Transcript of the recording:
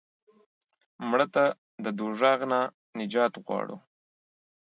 مړه ته د دوزخ نه نجات غواړو